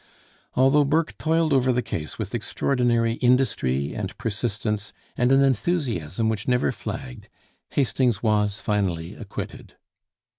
Although Burke toiled over the case with extraordinary industry and persistence, and an enthusiasm which never flagged, Hastings was finally acquitted.